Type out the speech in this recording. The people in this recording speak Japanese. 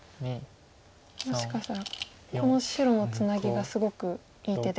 もしかしたらこの白のツナギがすごくいい手で。